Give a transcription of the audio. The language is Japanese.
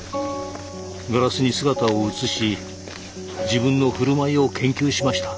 ガラスに姿を映し自分の振る舞いを研究しました。